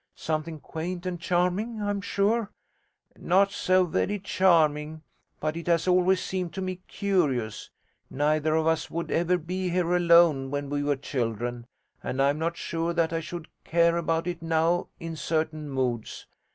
Something quaint and charming, I'm sure.' 'Not so very charming, but it has always seemed to me curious. Neither of us would ever be here alone when we were children, and I'm not sure that I should care about it now in certain moods.